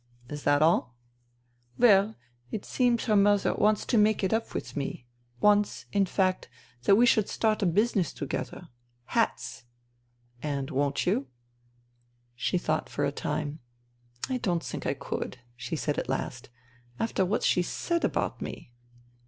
" Is that all ?"" Well, it seems her mother wants to make it up with me — wants, in fact, that w^e should start a business together. Hats." '' And won't you ?" She thought for a time. " I don't think I could," she said at last, " after what she's said about me.